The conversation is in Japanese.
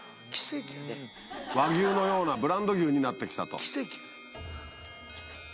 和牛のようなブランド牛になってきたと。